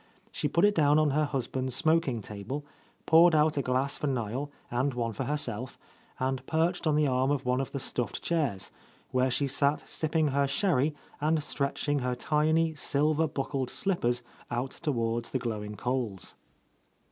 She put it down on her husband's smoking table, poured out a glass for Niel and one for her self, and perched on the arm of one of the stuffed chairs, where she sat sipping her sherry and stretching her tiny, silver buckled slippers out toward the glowing coals.